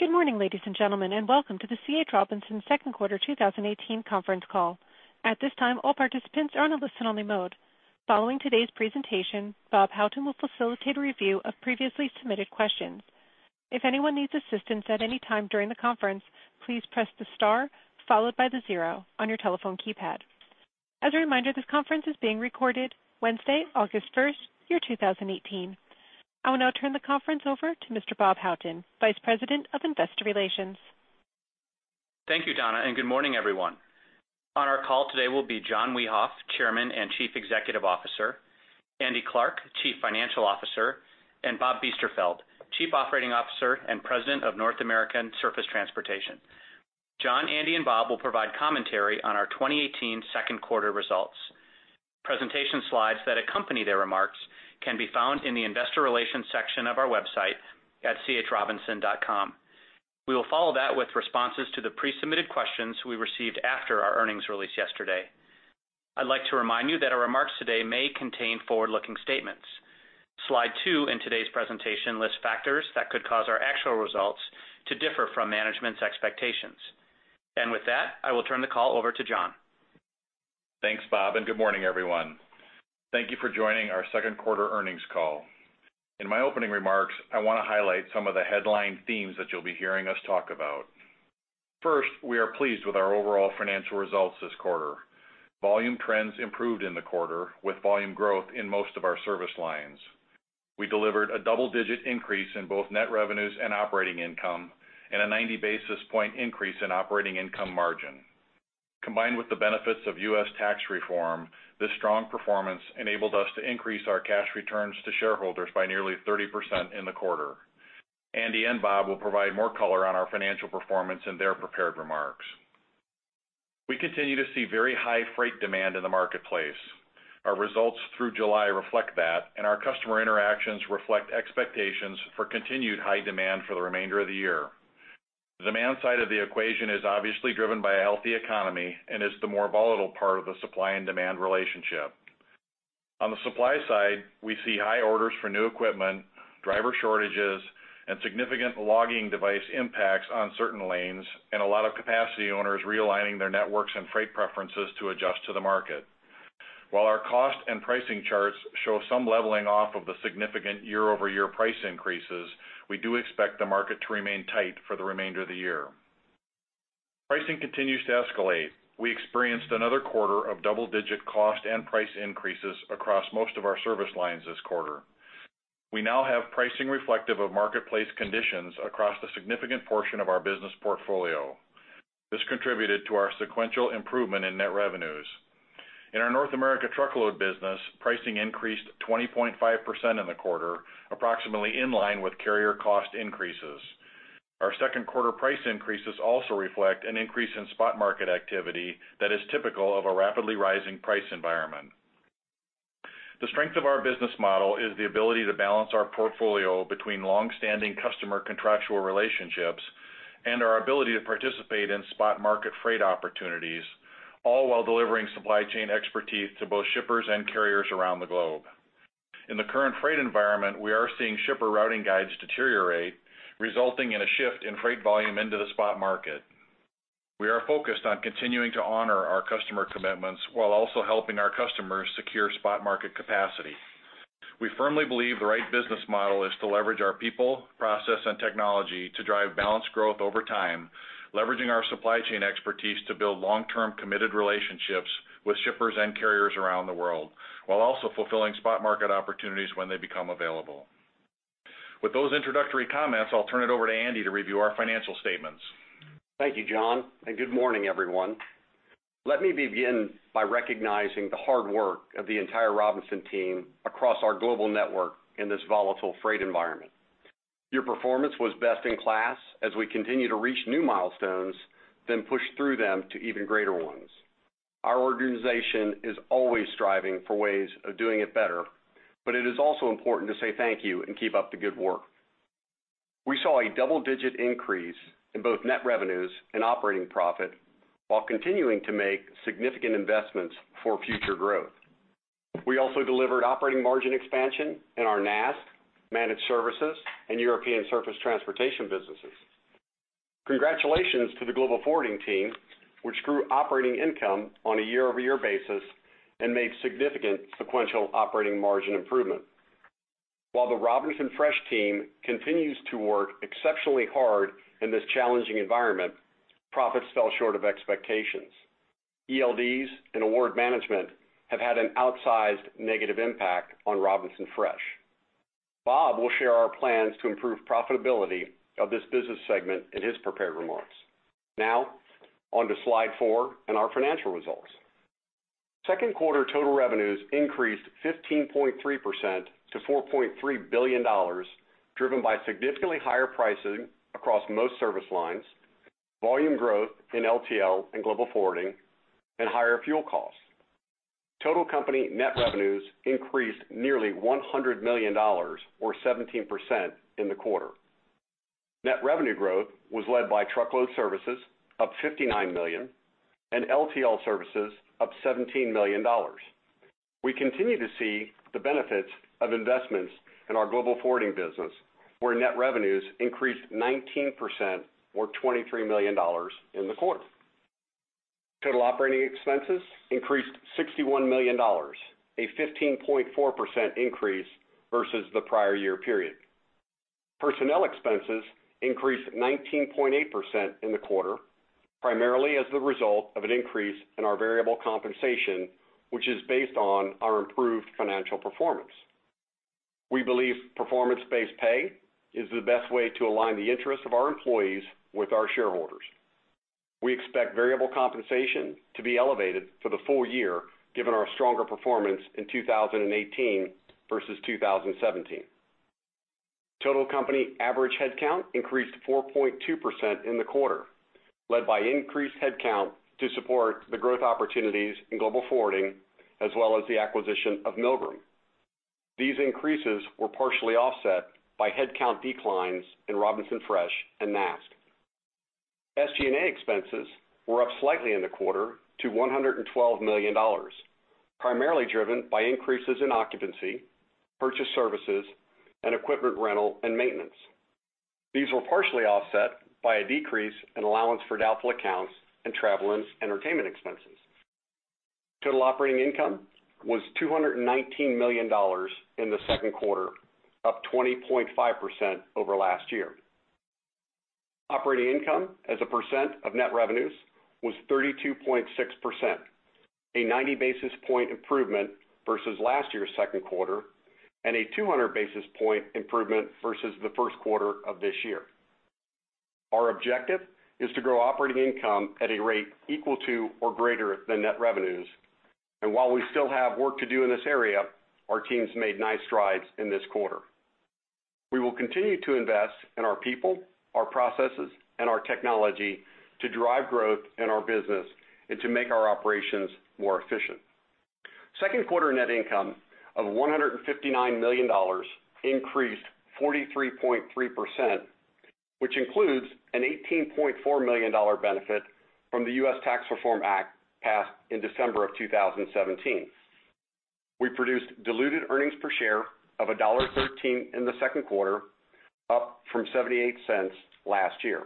Good morning, ladies and gentlemen, and welcome to the C. H. Robinson second quarter 2018 conference call. At this time, all participants are on a listen-only mode. Following today's presentation, Robert Houghton will facilitate a review of previously submitted questions. If anyone needs assistance at any time during the conference, please press the star followed by the zero on your telephone keypad. As a reminder, this conference is being recorded Wednesday, August 1st, 2018. I will now turn the conference over to Mr. Robert Houghton, Vice President of Investor Relations. Thank you, Donna, good morning, everyone. On our call today will be John Wiehoff, Chairman and Chief Executive Officer, Andrew Clarke, Chief Financial Officer, and Robert Biesterfeld, Chief Operating Officer and President of North American Surface Transportation. John, Andy, and Bob will provide commentary on our 2018 second quarter results. Presentation slides that accompany their remarks can be found in the investor relations section of our website at chrobinson.com. We will follow that with responses to the pre-submitted questions we received after our earnings release yesterday. I'd like to remind you that our remarks today may contain forward-looking statements. Slide two in today's presentation lists factors that could cause our actual results to differ from management's expectations. With that, I will turn the call over to John. Thanks, Bob, good morning, everyone. Thank you for joining our second quarter earnings call. In my opening remarks, I want to highlight some of the headline themes that you'll be hearing us talk about. First, we are pleased with our overall financial results this quarter. Volume trends improved in the quarter, with volume growth in most of our service lines. We delivered a double-digit increase in both net revenues and operating income, and a 90 basis point increase in operating income margin. Combined with the benefits of U.S. tax reform, this strong performance enabled us to increase our cash returns to shareholders by nearly 30% in the quarter. Andy and Bob will provide more color on our financial performance in their prepared remarks. We continue to see very high freight demand in the marketplace. Our results through July reflect that, Our customer interactions reflect expectations for continued high demand for the remainder of the year. The demand side of the equation is obviously driven by a healthy economy Is the more volatile part of the supply and demand relationship. On the supply side, we see high orders for new equipment, driver shortages, Significant logging device impacts on certain lanes, A lot of capacity owners realigning their networks and freight preferences to adjust to the market. While our cost and pricing charts show some leveling off of the significant year-over-year price increases, we do expect the market to remain tight for the remainder of the year. Pricing continues to escalate. We experienced another quarter of double-digit cost and price increases across most of our service lines this quarter. We now have pricing reflective of marketplace conditions across the significant portion of our business portfolio. This contributed to our sequential improvement in net revenues. In our North America truckload business, pricing increased 20.5% in the quarter, approximately in line with carrier cost increases. Our second quarter price increases also reflect an increase in spot market activity that is typical of a rapidly rising price environment. The strength of our business model is the ability to balance our portfolio between long-standing customer contractual relationships and our ability to participate in spot market freight opportunities, all while delivering supply chain expertise to both shippers and carriers around the globe. In the current freight environment, we are seeing shipper routing guides deteriorate, resulting in a shift in freight volume into the spot market. We are focused on continuing to honor our customer commitments while also helping our customers secure spot market capacity. We firmly believe the right business model is to leverage our people, process, and technology to drive balanced growth over time, leveraging our supply chain expertise to build long-term, committed relationships with shippers and carriers around the world, while also fulfilling spot market opportunities when they become available. With those introductory comments, I'll turn it over to Andy to review our financial statements. Thank you, John, and good morning, everyone. Let me begin by recognizing the hard work of the entire Robinson team across our global network in this volatile freight environment. Your performance was best in class as we continue to reach new milestones, then push through them to even greater ones. Our organization is always striving for ways of doing it better, it is also important to say thank you and keep up the good work. We saw a double-digit increase in both net revenues and operating profit while continuing to make significant investments for future growth. We also delivered operating margin expansion in our NAST, managed services, and European surface transportation businesses. Congratulations to the global forwarding team, which grew operating income on a year-over-year basis and made significant sequential operating margin improvement. While the Robinson Fresh team continues to work exceptionally hard in this challenging environment, profits fell short of expectations. ELDs and award management have had an outsized negative impact on Robinson Fresh. Bob will share our plans to improve profitability of this business segment in his prepared remarks. On to slide four and our financial results. Second quarter total revenues increased 15.3% to $4.3 billion, driven by significantly higher pricing across most service lines, volume growth in LTL and global forwarding, and higher fuel costs. Total company net revenues increased nearly $100 million, or 17%, in the quarter. Net revenue growth was led by truckload services, up $59 million, and LTL services, up $17 million. We continue to see the benefits of investments in our global forwarding business, where net revenues increased 19% or $23 million in the quarter. Total operating expenses increased $61 million, a 15.4% increase versus the prior year period. Personnel expenses increased 19.8% in the quarter, primarily as the result of an increase in our variable compensation, which is based on our improved financial performance. We believe performance-based pay is the best way to align the interests of our employees with our shareholders. We expect variable compensation to be elevated for the full year given our stronger performance in 2018 versus 2017. Total company average headcount increased 4.2% in the quarter, led by increased headcount to support the growth opportunities in global forwarding, as well as the acquisition of Milgram. These increases were partially offset by headcount declines in Robinson Fresh and NAST. SG&A expenses were up slightly in the quarter to $112 million, primarily driven by increases in occupancy, purchase services, and equipment rental and maintenance. These were partially offset by a decrease in allowance for doubtful accounts and travel and entertainment expenses. Total operating income was $219 million in the second quarter, up 20.5% over last year. Operating income as a percent of net revenues was 32.6%, a 90-basis point improvement versus last year's second quarter and a 200-basis point improvement versus the first quarter of this year. Our objective is to grow operating income at a rate equal to or greater than net revenues. While we still have work to do in this area, our team's made nice strides in this quarter. We will continue to invest in our people, our processes, and our technology to drive growth in our business and to make our operations more efficient. Second quarter net income of $159 million increased 43.3%, which includes an $18.4 million benefit from the U.S. Tax Cuts and Jobs Act of 2017 passed in December of 2017. We produced diluted earnings per share of $1.13 in the second quarter, up from $0.78 last year.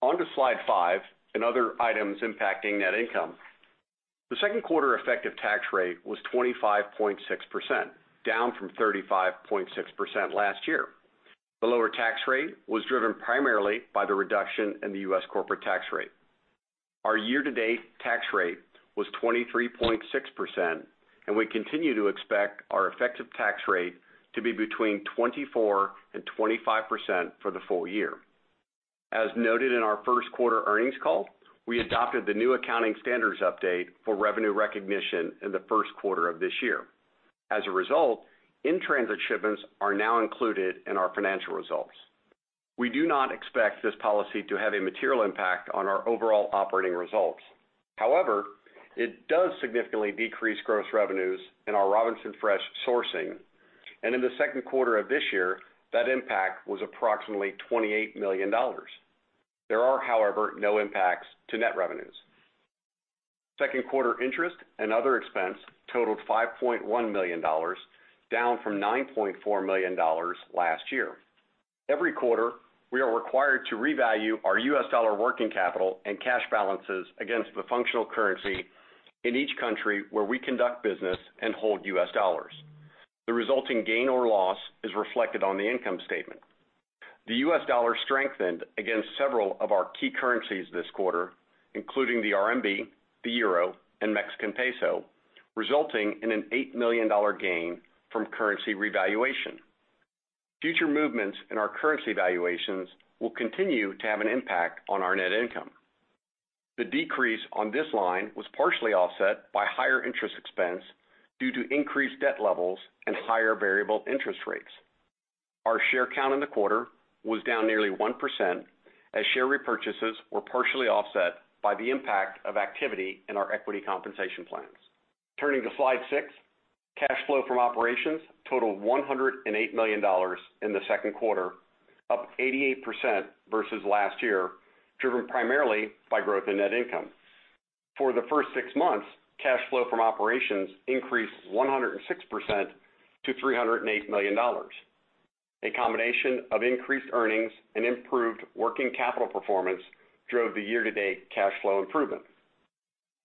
On to slide 5 and other items impacting net income. The second quarter effective tax rate was 25.6%, down from 35.6% last year. The lower tax rate was driven primarily by the reduction in the U.S. corporate tax rate. Our year-to-date tax rate was 23.6%, we continue to expect our effective tax rate to be between 24% and 25% for the full year. As noted in our first quarter earnings call, we adopted the new accounting standards update for revenue recognition in the first quarter of this year. As a result, in-transit shipments are now included in our financial results. We do not expect this policy to have a material impact on our overall operating results. It does significantly decrease gross revenues in our Robinson Fresh sourcing. In the second quarter of this year, that impact was approximately $28 million. There are, however, no impacts to net revenues. Second quarter interest and other expense totaled $5.1 million, down from $9.4 million last year. Every quarter, we are required to revalue our U.S. dollar working capital and cash balances against the functional currency in each country where we conduct business and hold U.S. dollars. The resulting gain or loss is reflected on the income statement. The U.S. dollar strengthened against several of our key currencies this quarter, including the RMB, the euro, and Mexican peso, resulting in an $8 million gain from currency revaluation. Future movements in our currency valuations will continue to have an impact on our net income. The decrease on this line was partially offset by higher interest expense due to increased debt levels and higher variable interest rates. Our share count in the quarter was down nearly 1% as share repurchases were partially offset by the impact of activity in our equity compensation plans. Turning to slide six, cash flow from operations totaled $108 million in the second quarter, up 88% versus last year, driven primarily by growth in net income. For the first six months, cash flow from operations increased 106% to $308 million. A combination of increased earnings and improved working capital performance drove the year-to-date cash flow improvement.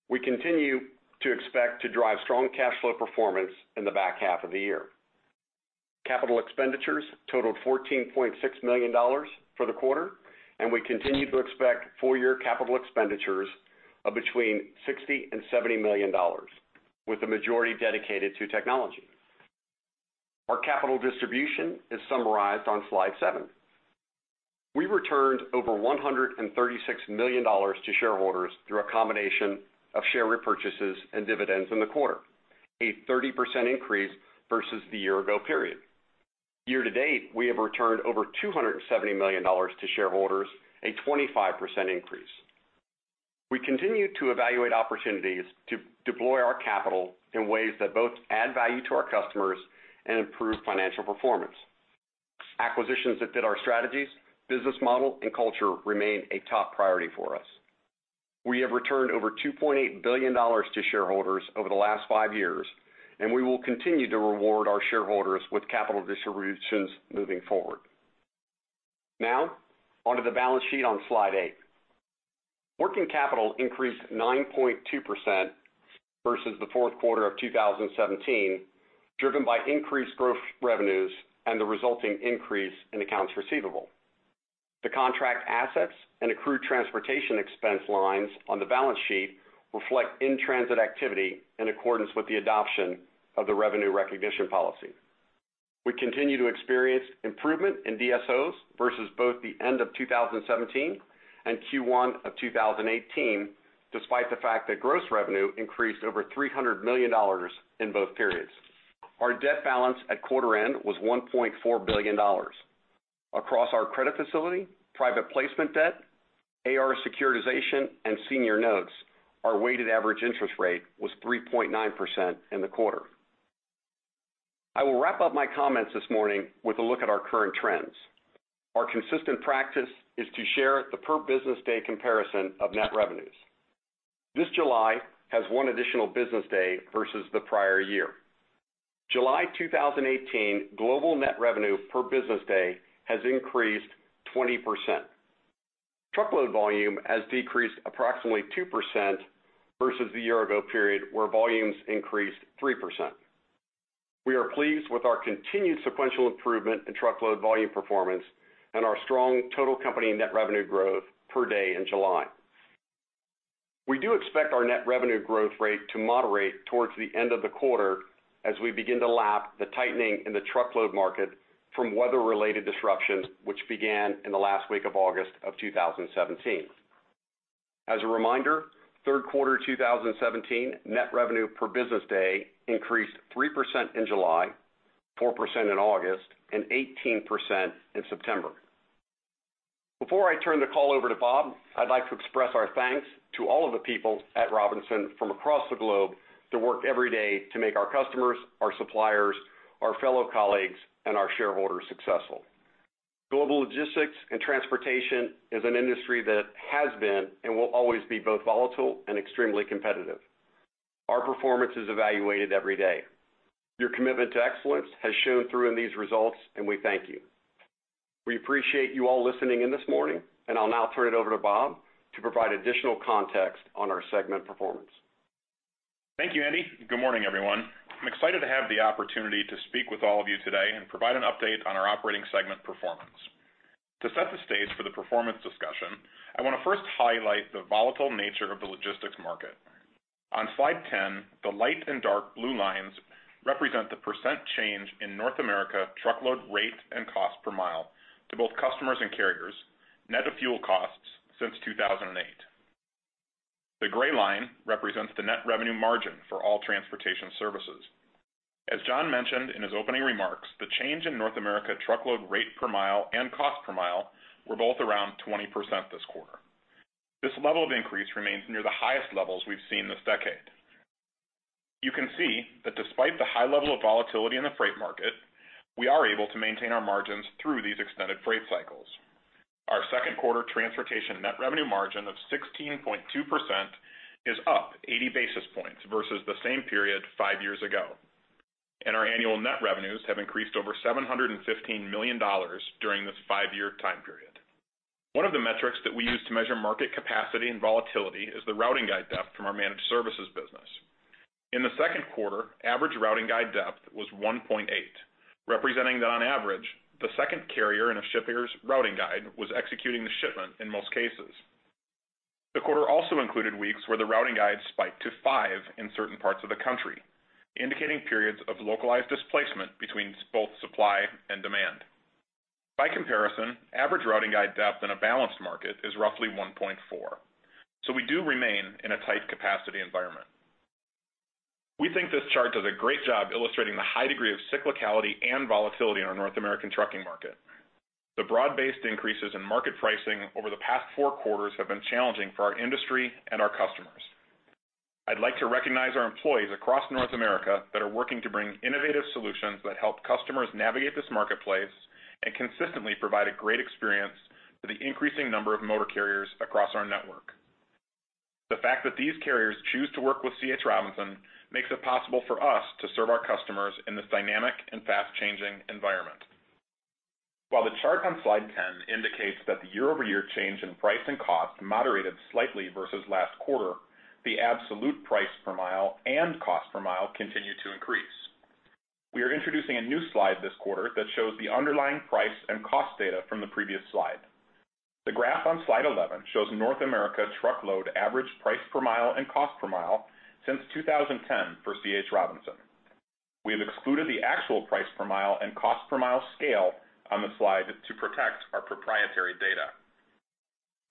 We continue to expect to drive strong cash flow performance in the back half of the year. Capital expenditures totaled $14.6 million for the quarter. We continue to expect full-year capital expenditures of between $60 million and $70 million, with the majority dedicated to technology. Our capital distribution is summarized on slide seven. We returned over $136 million to shareholders through a combination of share repurchases and dividends in the quarter, a 30% increase versus the year ago period. Year-to-date, we have returned over $270 million to shareholders, a 25% increase. We continue to evaluate opportunities to deploy our capital in ways that both add value to our customers and improve financial performance. Acquisitions that fit our strategies, business model, and culture remain a top priority for us. We have returned over $2.8 billion to shareholders over the last five years, and we will continue to reward our shareholders with capital distributions moving forward. On to the balance sheet on slide eight. Working capital increased 9.2% versus the fourth quarter of 2017, driven by increased growth revenues and the resulting increase in accounts receivable. The contract assets and accrued transportation expense lines on the balance sheet reflect in-transit activity in accordance with the adoption of the revenue recognition policy. We continue to experience improvement in DSOs versus both the end of 2017 and Q1 of 2018, despite the fact that gross revenue increased over $300 million in both periods. Our debt balance at quarter end was $1.4 billion. Across our credit facility, private placement debt, AR securitization, and senior notes, our weighted average interest rate was 3.9% in the quarter. I will wrap up my comments this morning with a look at our current trends. Our consistent practice is to share the per business day comparison of net revenues. This July has one additional business day versus the prior year. July 2018 global net revenue per business day has increased 20%. Truckload volume has decreased approximately 2% versus the year ago period, where volumes increased 3%. We are pleased with our continued sequential improvement in truckload volume performance and our strong total company net revenue growth per day in July. We do expect our net revenue growth rate to moderate towards the end of the quarter as we begin to lap the tightening in the truckload market from weather-related disruptions, which began in the last week of August of 2017. As a reminder, third quarter 2017, net revenue per business day increased 3% in July, 4% in August, and 18% in September. Before I turn the call over to Bob, I'd like to express our thanks to all of the people at Robinson from across the globe who work every day to make our customers, our suppliers, our fellow colleagues, and our shareholders successful. Global logistics and transportation is an industry that has been and will always be both volatile and extremely competitive. Our performance is evaluated every day. Your commitment to excellence has shown through in these results, and we thank you. We appreciate you all listening in this morning. I'll now turn it over to Bob to provide additional context on our segment performance. Thank you, Andy. Good morning, everyone. I'm excited to have the opportunity to speak with all of you today and provide an update on our operating segment performance. To set the stage for the performance discussion, I want to first highlight the volatile nature of the logistics market. On slide 10, the light and dark blue lines represent the percent change in North America truckload rate and cost per mile to both customers and carriers, net of fuel costs, since 2008. The gray line represents the net revenue margin for all transportation services. As John mentioned in his opening remarks, the change in North America truckload rate per mile and cost per mile were both around 20% this quarter. This level of increase remains near the highest levels we've seen this decade. You can see that despite the high level of volatility in the freight market, we are able to maintain our margins through these extended freight cycles. Our second quarter transportation net revenue margin of 16.2% is up 80 basis points versus the same period five years ago. Our annual net revenues have increased over $715 million during this five-year time period. One of the metrics that we use to measure market capacity and volatility is the routing guide depth from our managed services business. In the second quarter, average routing guide depth was 1.8, representing that on average, the second carrier in a shipper's routing guide was executing the shipment in most cases. The quarter also included weeks where the routing guide spiked to five in certain parts of the country, indicating periods of localized displacement between both supply and demand. By comparison, average routing guide depth in a balanced market is roughly 1.4. We do remain in a tight capacity environment. We think this chart does a great job illustrating the high degree of cyclicality and volatility in our North American trucking market. The broad-based increases in market pricing over the past four quarters have been challenging for our industry and our customers. I'd like to recognize our employees across North America that are working to bring innovative solutions that help customers navigate this marketplace and consistently provide a great experience for the increasing number of motor carriers across our network. The fact that these carriers choose to work with C.H. Robinson makes it possible for us to serve our customers in this dynamic and fast-changing environment. While the chart on slide 10 indicates that the year-over-year change in price and cost moderated slightly versus last quarter, the absolute price per mile and cost per mile continued to increase. We are introducing a new slide this quarter that shows the underlying price and cost data from the previous slide. The graph on slide 11 shows North America truckload average price per mile and cost per mile since 2010 for C. H. Robinson. We have excluded the actual price per mile and cost per mile scale on the slide to protect our proprietary data.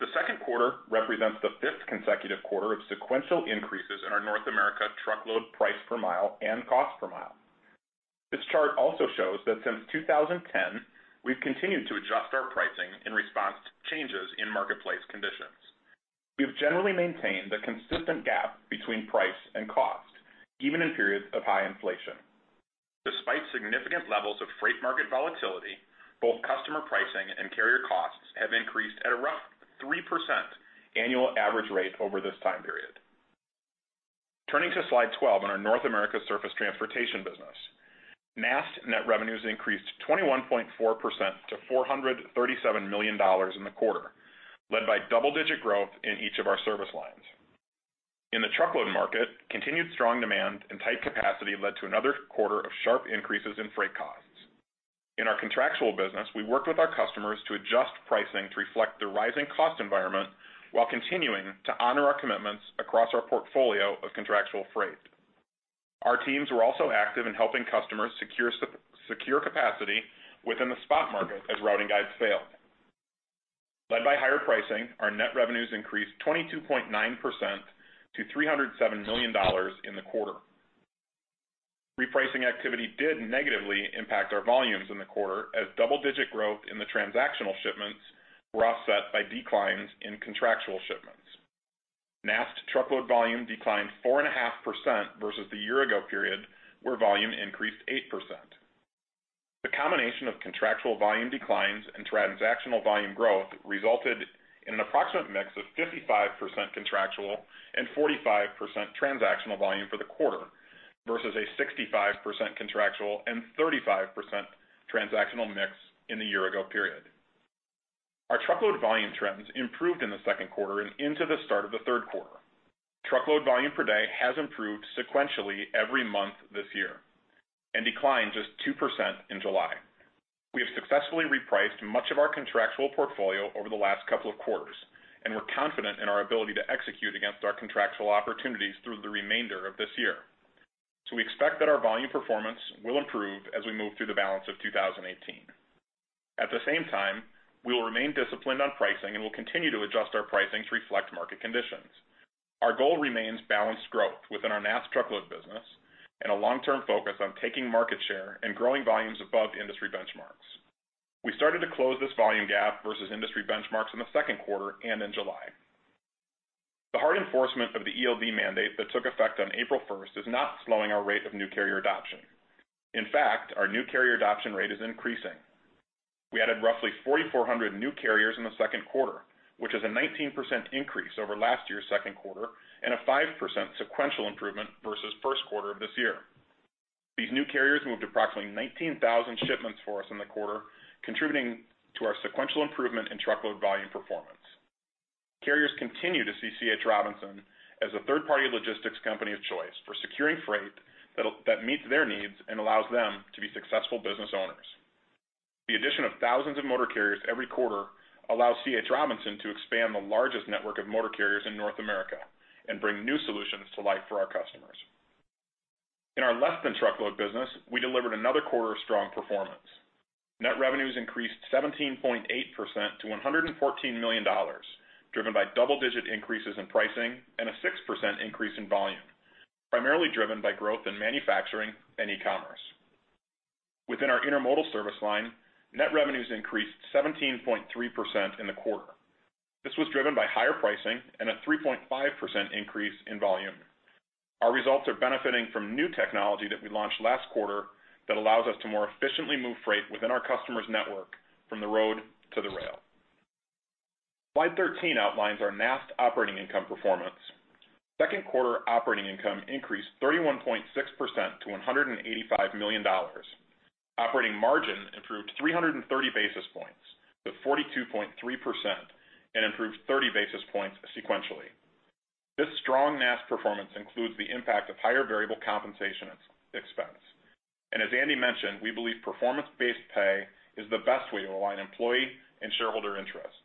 The second quarter represents the fifth consecutive quarter of sequential increases in our North America truckload price per mile and cost per mile. This chart also shows that since 2010, we've continued to adjust our pricing Changes in marketplace conditions. We've generally maintained a consistent gap between price and cost, even in periods of high inflation. Despite significant levels of freight market volatility, both customer pricing and carrier costs have increased at a rough 3% annual average rate over this time period. Turning to slide 12 on our North American Surface Transportation business. NAST net revenues increased 21.4% to $437 million in the quarter, led by double-digit growth in each of our service lines. In the truckload market, continued strong demand and tight capacity led to another quarter of sharp increases in freight costs. In our contractual business, we worked with our customers to adjust pricing to reflect the rising cost environment while continuing to honor our commitments across our portfolio of contractual freight. Our teams were also active in helping customers secure capacity within the spot market as routing guides failed. Led by higher pricing, our net revenues increased 22.9% to $307 million in the quarter. Repricing activity did negatively impact our volumes in the quarter, as double-digit growth in the transactional shipments were offset by declines in contractual shipments. NAST truckload volume declined 4.5% versus the year ago period, where volume increased 8%. The combination of contractual volume declines and transactional volume growth resulted in an approximate mix of 55% contractual and 45% transactional volume for the quarter, versus a 65% contractual and 35% transactional mix in the year ago period. Our truckload volume trends improved in the second quarter and into the start of the third quarter. Truckload volume per day has improved sequentially every month this year, and declined just 2% in July. We have successfully repriced much of our contractual portfolio over the last couple of quarters, and we're confident in our ability to execute against our contractual opportunities through the remainder of this year. We expect that our volume performance will improve as we move through the balance of 2018. At the same time, we will remain disciplined on pricing and will continue to adjust our pricing to reflect market conditions. Our goal remains balanced growth within our NAST truckload business and a long-term focus on taking market share and growing volumes above industry benchmarks. We started to close this volume gap versus industry benchmarks in the second quarter and in July. The hard enforcement of the ELD mandate that took effect on April 1st is not slowing our rate of new carrier adoption. In fact, our new carrier adoption rate is increasing. We added roughly 4,400 new carriers in the second quarter, which is a 19% increase over last year's second quarter, and a 5% sequential improvement versus first quarter of this year. These new carriers moved approximately 19,000 shipments for us in the quarter, contributing to our sequential improvement in truckload volume performance. Carriers continue to see C. H. Robinson as a third-party logistics company of choice for securing freight that meets their needs and allows them to be successful business owners. The addition of thousands of motor carriers every quarter allows C. H. Robinson to expand the largest network of motor carriers in North America and bring new solutions to life for our customers. In our less than truckload business, we delivered another quarter of strong performance. Net revenues increased 17.8% to $114 million, driven by double-digit increases in pricing and a 6% increase in volume, primarily driven by growth in manufacturing and e-commerce. Within our intermodal service line, net revenues increased 17.3% in the quarter. This was driven by higher pricing and a 3.5% increase in volume. Our results are benefiting from new technology that we launched last quarter that allows us to more efficiently move freight within our customer's network from the road to the rail. Slide 13 outlines our NAST operating income performance. Second quarter operating income increased 31.6% to $185 million. Operating margin improved 330 basis points to 42.3%, and improved 30 basis points sequentially. This strong NAST performance includes the impact of higher variable compensation expense. As Andy mentioned, we believe performance-based pay is the best way to align employee and shareholder interests,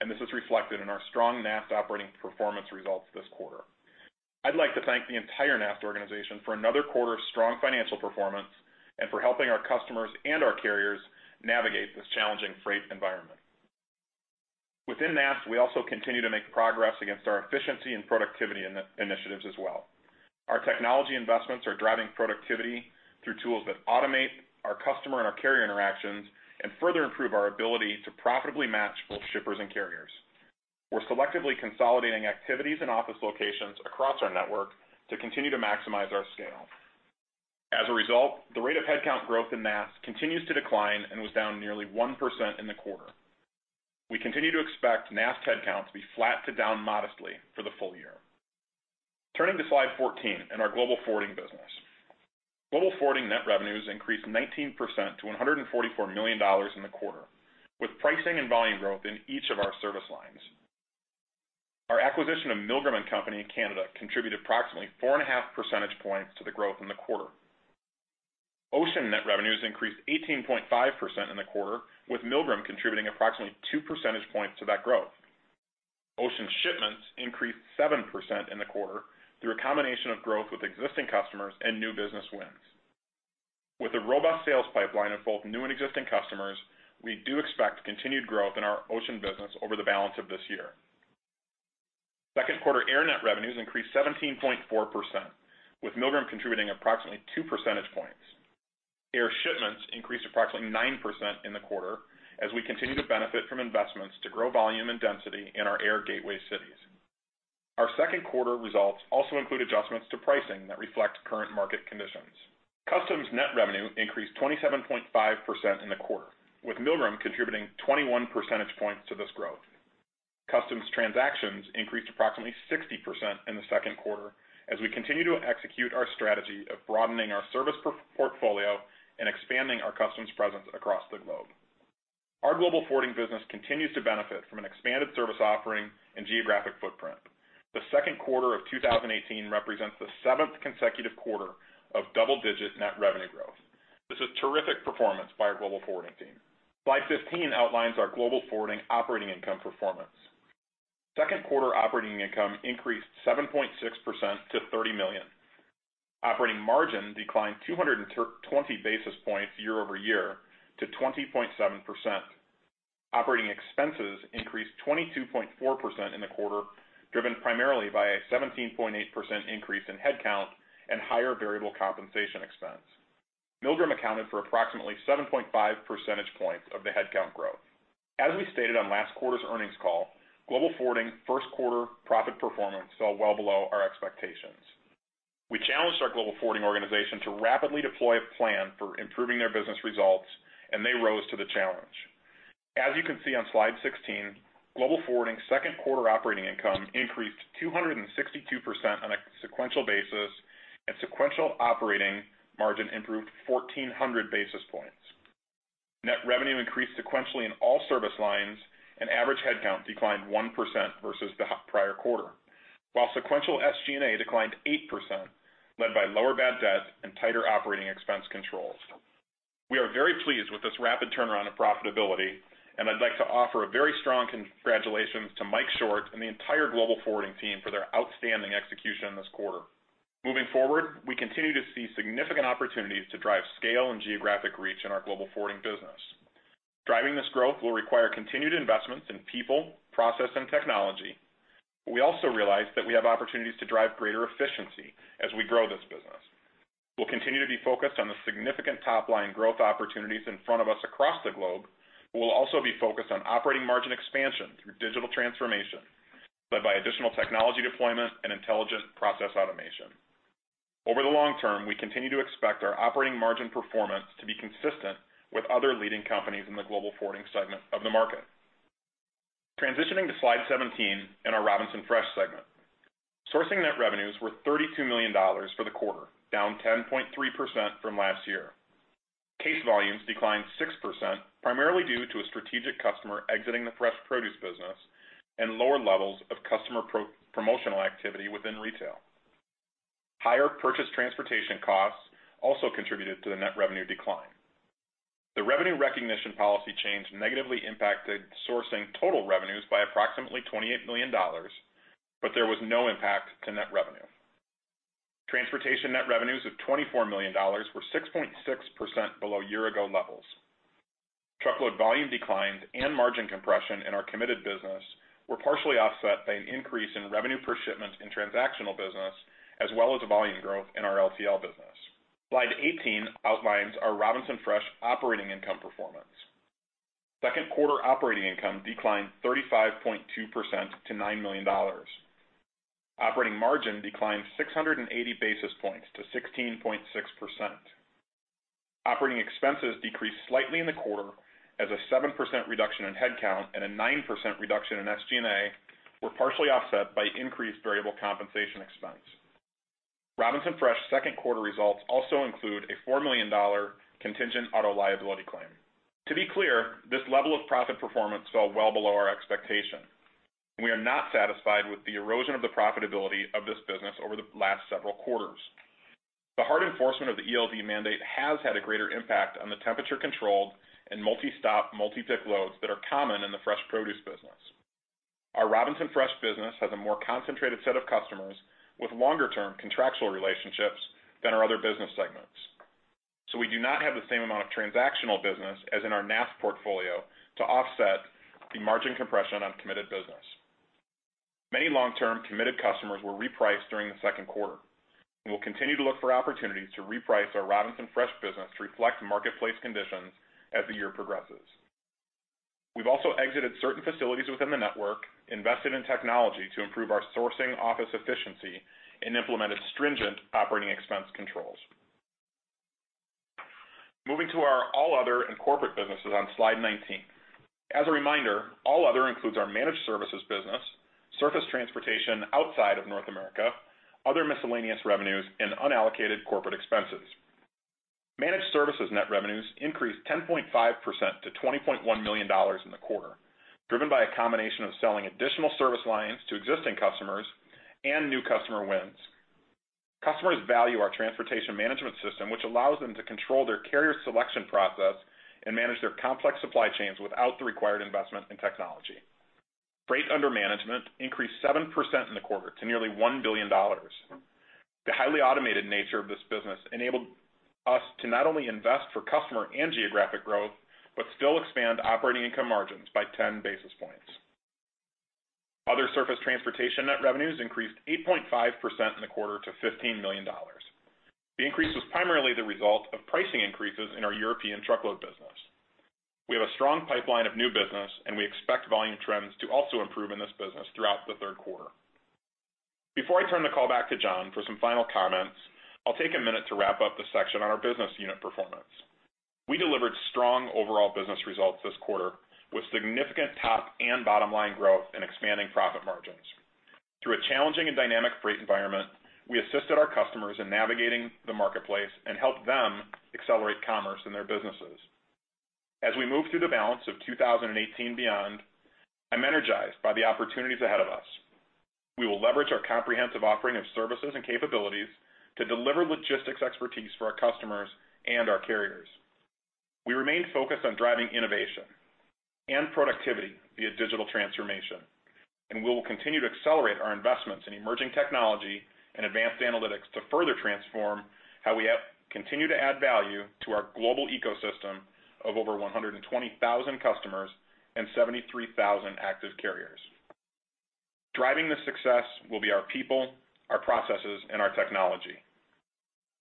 and this is reflected in our strong NAST operating performance results this quarter. I'd like to thank the entire NAST organization for another quarter of strong financial performance and for helping our customers and our carriers navigate this challenging freight environment. Within NAST, we also continue to make progress against our efficiency and productivity initiatives as well. Our technology investments are driving productivity through tools that automate our customer and our carrier interactions and further improve our ability to profitably match both shippers and carriers. We're selectively consolidating activities and office locations across our network to continue to maximize our scale. As a result, the rate of headcount growth in NAST continues to decline and was down nearly 1% in the quarter. We continue to expect NAST headcount to be flat to down modestly for the full year. Turning to slide 14 in our global forwarding business. Global forwarding net revenues increased 19% to $144 million in the quarter, with pricing and volume growth in each of our service lines. Our acquisition of Milgram & Company in Canada contributed approximately four and a half percentage points to the growth in the quarter. Ocean net revenues increased 18.5% in the quarter, with Milgram contributing approximately two percentage points to that growth. Ocean shipments increased 7% in the quarter through a combination of growth with existing customers and new business wins. With a robust sales pipeline of both new and existing customers, we do expect continued growth in our ocean business over the balance of this year. Second quarter air net revenues increased 17.4%, with Milgram contributing approximately two percentage points. Air shipments increased approximately 9% in the quarter, as we continue to benefit from investments to grow volume and density in our air gateway cities. Our second quarter results also include adjustments to pricing that reflect current market conditions. Customs net revenue increased 27.5% in the quarter, with Milgram contributing 21 percentage points to this growth. Customs transactions increased approximately 60% in the second quarter, as we continue to execute our strategy of broadening our service portfolio and expanding our customs presence across the globe. Our global forwarding business continues to benefit from an expanded service offering and geographic footprint. The second quarter of 2018 represents the seventh consecutive quarter of double-digit net revenue growth. This is terrific performance by our global forwarding team. Slide 15 outlines our global forwarding operating income performance. Second quarter operating income increased 7.6% to $30 million. Operating margin declined 220 basis points year-over-year to 20.7%. Operating expenses increased 22.4% in the quarter, driven primarily by a 17.8% increase in headcount and higher variable compensation expense. Milgram accounted for approximately 7.5 percentage points of the headcount growth. As we stated on last quarter's earnings call, global forwarding first quarter profit performance fell well below our expectations. We challenged our global forwarding organization to rapidly deploy a plan for improving their business results. They rose to the challenge. As you can see on slide 16, global forwarding second quarter operating income increased 262% on a sequential basis. Sequential operating margin improved 1,400 basis points. Net revenue increased sequentially in all service lines, and average headcount declined 1% versus the prior quarter. Sequential SG&A declined 8%, led by lower bad debt and tighter operating expense controls. We are very pleased with this rapid turnaround of profitability. I'd like to offer a very strong congratulations to Mike Short and the entire global forwarding team for their outstanding execution this quarter. Moving forward, we continue to see significant opportunities to drive scale and geographic reach in our global forwarding business. Driving this growth will require continued investments in people, process, and technology. We also realize that we have opportunities to drive greater efficiency as we grow this business. We'll continue to be focused on the significant top-line growth opportunities in front of us across the globe. We will also be focused on operating margin expansion through digital transformation, led by additional technology deployment and intelligent process automation. Over the long term, we continue to expect our operating margin performance to be consistent with other leading companies in the global forwarding segment of the market. Transitioning to slide 17 in our Robinson Fresh segment. Sourcing net revenues were $32 million for the quarter, down 10.3% from last year. Case volumes declined 6%, primarily due to a strategic customer exiting the fresh produce business, and lower levels of customer promotional activity within retail. Higher purchase transportation costs also contributed to the net revenue decline. The revenue recognition policy change negatively impacted sourcing total revenues by approximately $28 million, but there was no impact to net revenue. Transportation net revenues of $24 million were 6.6% below year ago levels. Truckload volume declines and margin compression in our committed business were partially offset by an increase in revenue per shipment in transactional business, as well as volume growth in our LTL business. Slide 18 outlines our Robinson Fresh operating income performance. Second quarter operating income declined 35.2% to $9 million. Operating margin declined 680 basis points to 16.6%. Operating expenses decreased slightly in the quarter, as a 7% reduction in headcount and a 9% reduction in SG&A were partially offset by increased variable compensation expense. Robinson Fresh second quarter results also include a $4 million contingent auto liability claim. To be clear, this level of profit performance fell well below our expectation. We are not satisfied with the erosion of the profitability of this business over the last several quarters. The hard enforcement of the ELD mandate has had a greater impact on the temperature controlled and multi-stop, multi-dip loads that are common in the fresh produce business. Our Robinson Fresh business has a more concentrated set of customers with longer term contractual relationships than our other business segments. We do not have the same amount of transactional business as in our NAST portfolio to offset the margin compression on committed business. Many long-term committed customers were repriced during the second quarter. We will continue to look for opportunities to reprice our Robinson Fresh business to reflect marketplace conditions as the year progresses. We've also exited certain facilities within the network, invested in technology to improve our sourcing office efficiency, and implemented stringent operating expense controls. Moving to our all other and corporate businesses on slide 19. As a reminder, all other includes our managed services business, surface transportation outside of North America, other miscellaneous revenues, and unallocated corporate expenses. Managed services net revenues increased 10.5% to $20.1 million in the quarter, driven by a combination of selling additional service lines to existing customers and new customer wins. Customers value our transportation management system, which allows them to control their carrier selection process and manage their complex supply chains without the required investment in technology. Freight under management increased 7% in the quarter to nearly $1 billion. The highly automated nature of this business enabled us to not only invest for customer and geographic growth, but still expand operating income margins by 10 basis points. Other surface transportation net revenues increased 8.5% in the quarter to $15 million. The increase was primarily the result of pricing increases in our European truckload business. We have a strong pipeline of new business, and we expect volume trends to also improve in this business throughout the third quarter. Before I turn the call back to John for some final comments, I'll take a minute to wrap up the section on our business unit performance. We delivered strong overall business results this quarter, with significant top and bottom line growth and expanding profit margins. Through a challenging and dynamic freight environment, we assisted our customers in navigating the marketplace and helped them accelerate commerce in their businesses. As we move through the balance of 2018 beyond, I'm energized by the opportunities ahead of us. We will leverage our comprehensive offering of services and capabilities to deliver logistics expertise for our customers and our carriers. We remain focused on driving innovation and productivity via digital transformation, and we will continue to accelerate our investments in emerging technology and advanced analytics to further transform how we continue to add value to our global ecosystem of over 120,000 customers and 73,000 active carriers. Driving this success will be our people, our processes, and our technology.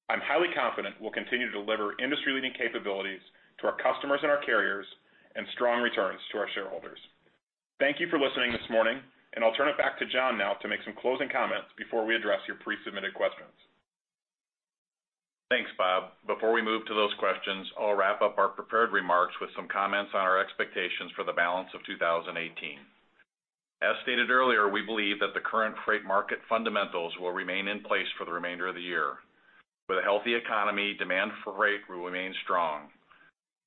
I'm highly confident we'll continue to deliver industry-leading capabilities to our customers and our carriers and strong returns to our shareholders. Thank you for listening this morning. I'll turn it back to John now to make some closing comments before we address your pre-submitted questions. Thanks, Bob. Before we move to those questions, I'll wrap up our prepared remarks with some comments on our expectations for the balance of 2018. As stated earlier, we believe that the current freight market fundamentals will remain in place for the remainder of the year. With a healthy economy, demand for freight will remain strong.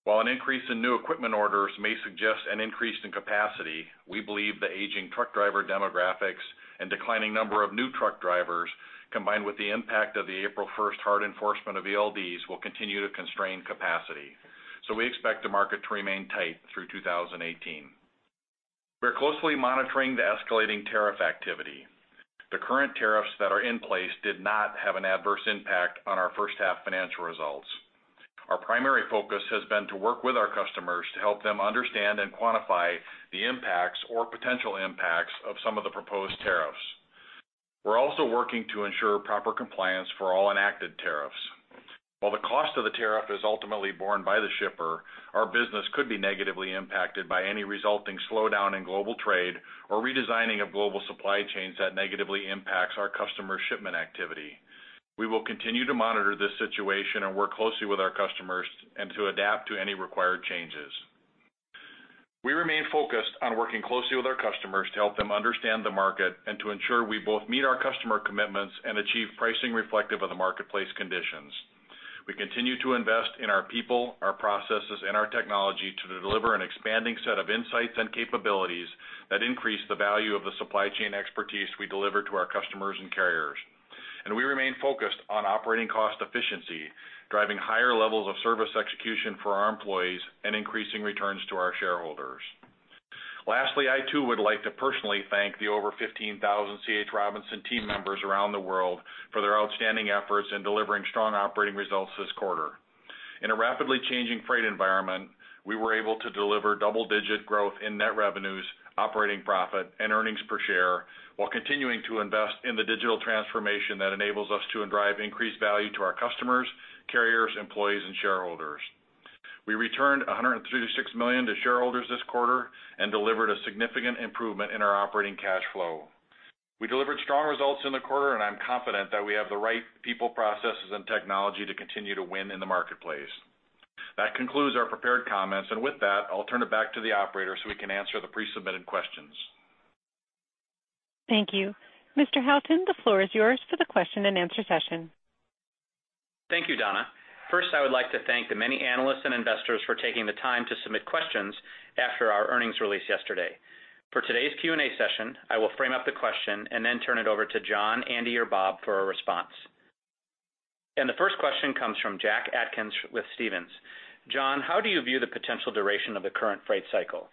While an increase in new equipment orders may suggest an increase in capacity, we believe the aging truck driver demographics and declining number of new truck drivers, combined with the impact of the April 1st hard enforcement of ELDs, will continue to constrain capacity. We expect the market to remain tight through 2018. We are closely monitoring the escalating tariff activity. The current tariffs that are in place did not have an adverse impact on our first half financial results. Our primary focus has been to work with our customers to help them understand and quantify the impacts or potential impacts of some of the proposed tariffs. We're also working to ensure proper compliance for all enacted tariffs. While the cost of the tariff is ultimately borne by the shipper, our business could be negatively impacted by any resulting slowdown in global trade or redesigning of global supply chains that negatively impacts our customer shipment activity. We will continue to monitor this situation and work closely with our customers and to adapt to any required changes. We remain focused on working closely with our customers to help them understand the market and to ensure we both meet our customer commitments and achieve pricing reflective of the marketplace conditions. We continue to invest in our people, our processes, and our technology to deliver an expanding set of insights and capabilities that increase the value of the supply chain expertise we deliver to our customers and carriers. We remain focused on operating cost efficiency, driving higher levels of service execution for our employees, and increasing returns to our shareholders. Lastly, I too would like to personally thank the over 15,000 C. H. Robinson team members around the world for their outstanding efforts in delivering strong operating results this quarter. In a rapidly changing freight environment, we were able to deliver double-digit growth in net revenues, operating profit, and earnings per share while continuing to invest in the digital transformation that enables us to drive increased value to our customers, carriers, employees, and shareholders. We returned $136 million to shareholders this quarter and delivered a significant improvement in our operating cash flow. We delivered strong results in the quarter, and I'm confident that we have the right people, processes, and technology to continue to win in the marketplace. That concludes our prepared comments, and with that, I'll turn it back to the operator so we can answer the pre-submitted questions. Thank you. Mr. Houghton, the floor is yours for the question and answer session. Thank you, Donna. First, I would like to thank the many analysts and investors for taking the time to submit questions after our earnings release yesterday. For today's Q&A session, I will frame up the question and then turn it over to John, Andy, or Bob for a response. The first question comes from Jack Atkins with Stephens. John, how do you view the potential duration of the current freight cycle?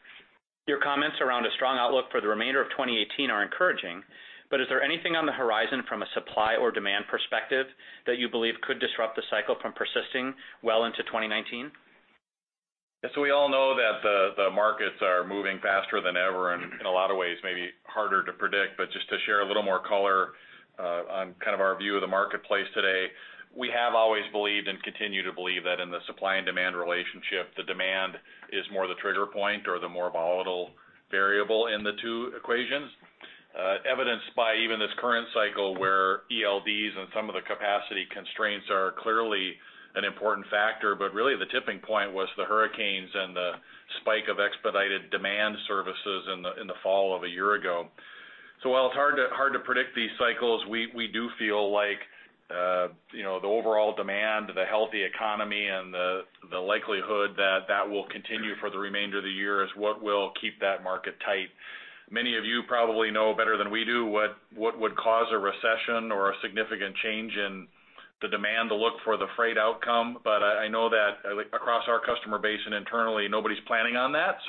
Your comments around a strong outlook for the remainder of 2018 are encouraging, but is there anything on the horizon from a supply or demand perspective that you believe could disrupt the cycle from persisting well into 2019? Yes, we all know that the markets are moving faster than ever and, in a lot of ways, maybe harder to predict. Just to share a little more color on kind of our view of the marketplace today, we have always believed and continue to believe that in the supply and demand relationship, the demand is more the trigger point or the more volatile variable in the two equations. Evidenced by even this current cycle, where ELDs and some of the capacity constraints are clearly an important factor. Really, the tipping point was the hurricanes and the spike of expedited demand services in the fall of a year ago. While it's hard to predict these cycles, we do feel like the overall demand, the healthy economy, and the likelihood that that will continue for the remainder of the year is what will keep that market tight. Many of you probably know better than we do what would cause a recession or a significant change in The demand to look for the freight outcome. I know that across our customer base and internally, nobody's planning on that.